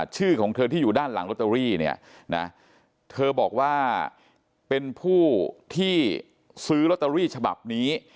ชื่อของเธอที่อยู่ด้านหลังลอตเตอรี่เนี่ยนะเธอบอกว่าเป็นผู้ที่ซื้อลอตเตอรี่ฉบับนี้